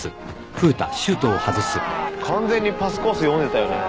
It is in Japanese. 完全にパスコース読んでたよね。